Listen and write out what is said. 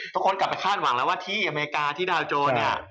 กลับไปคาดหวังแล้วว่าที่อเมริกาที่ดาวโจรเนี่ย